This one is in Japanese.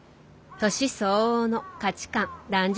年相応の価値観男女観を持つ。